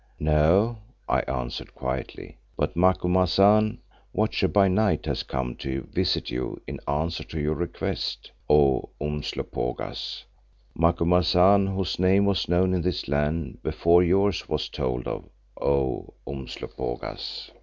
"No," I answered quietly, "but Macumazahn, Watcher by Night, has come to visit you in answer to your request, O Umslopogaas; Macumazahn whose name was known in this land before yours was told of, O Umslopogaas."